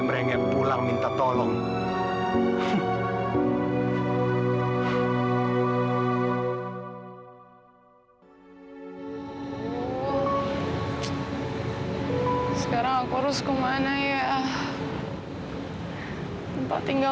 sampai jumpa di video selanjutnya